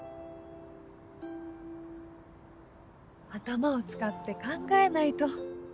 頭を使って考えないと。